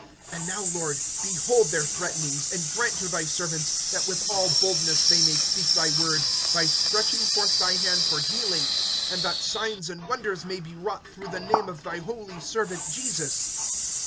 (29)And now, Lord, behold their threatenings; and grant to thy servants, that with all boldness they may speak thy word, (30)by stretching forth thy hand for healing, and that signs and wonders may be wrought through the name of thy holy servant Jesus.